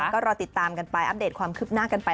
ก็รอติดตามกันไปอัปเดตความคืบหน้ากันไป